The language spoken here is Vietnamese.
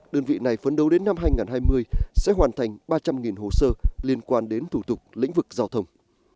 đơn vị này phấn đấu đến năm hai nghìn hai mươi sẽ hoàn thành ba trăm linh hồ sơ liên quan đến thủ tục lĩnh vực giao thông